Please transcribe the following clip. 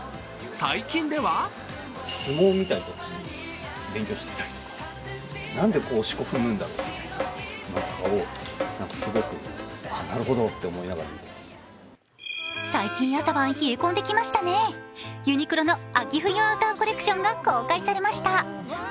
最近では最近、朝晩冷え込んできましたねユニクロの秋冬アウターコレクションが公開されました。